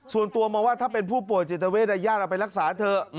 ส่วนตัวมองว่าถ้าเป็นผู้ป่วยจิตเวทญาติเอาไปรักษาเถอะ